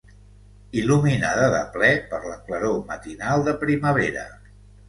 ...il·luminada de ple per la claror matinal de primavera.